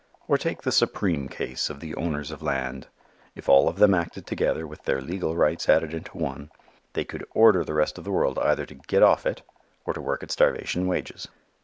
Or take the supreme case of the owners of land. If all of them acted together, with their legal rights added into one, they could order the rest of the world either to get off it or to work at starvation wages.